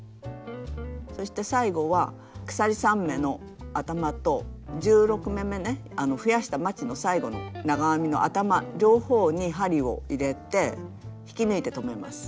そして最後は鎖３目の頭と１６目めね増やしたまちの最後の長編みの頭両方に針を入れて引き抜いて止めます。